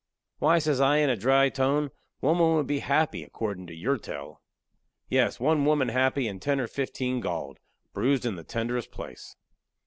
"Why," says I, in a dry tone, "one woman would be happy, accordin' to your tell." "Yes, one woman happy, and ten or fifteen gauled bruised in the tenderest place."